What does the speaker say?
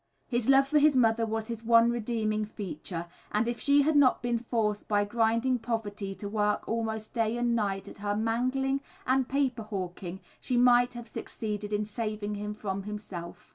His love for his mother was his one redeeming feature, and if she had not been forced by grinding poverty to work almost day and night at her mangling and paper hawking she might have succeeded in saving him from himself.